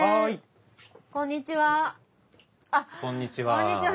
こんにちは。